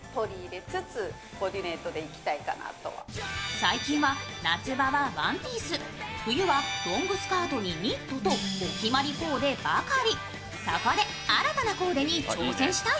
最近は夏場はワンピース、冬はロングスカートにニットとお決まりコーデばかり。